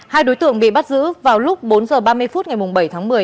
hai đối tượng bị bắt giữ vào lúc bốn h ba mươi phút ngày bảy tháng một mươi